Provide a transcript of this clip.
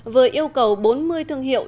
vừa yêu cầu bốn mươi thương hiệu